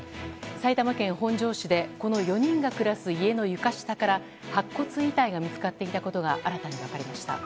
埼玉県本庄市でこの４人が暮らす家の床下から白骨遺体が見つかっていたことが新たに分かりました。